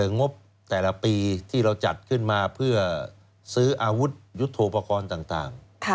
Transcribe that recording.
งบแต่ละปีที่เราจัดขึ้นมาเพื่อซื้ออาวุธยุทธโปรกรณ์ต่าง